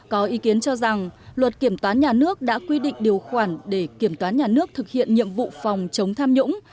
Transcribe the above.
có ý kiến cho rằng luật kiểm toán nhà nước đã quy định điều khoản để kiểm toán nhà nước thực hiện nhiệm vụ phòng chống tham nhũng